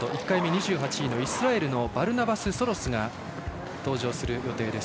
１回目２８位のイスラエルのバルナバス・ソロスが登場します。